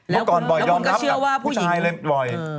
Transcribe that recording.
แล้วคุณก็เชื่อว่าผู้ชายเลยบ่อย